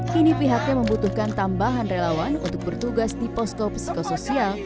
kini pihaknya membutuhkan tambahan relawan untuk bertugas di posko psikososial